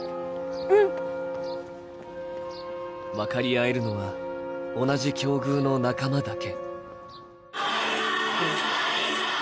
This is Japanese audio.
分かり合えるのは同じ境遇の仲間だけ。